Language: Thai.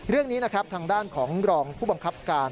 เรื่องนี้นะครับทางด้านของรองผู้บังคับการ